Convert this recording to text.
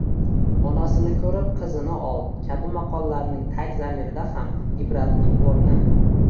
«Onasini ko‘rib, qizini ol» kabi maqollarning tag zamirida ham ibratning o‘rni